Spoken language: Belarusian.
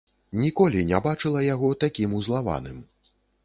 Ніколі не бачыла яго такім узлаваным.